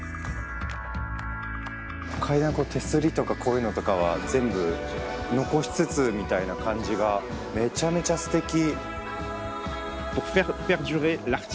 階段手すりとかこういうのとかは全部残しつつみたいな感じがめちゃめちゃステキ。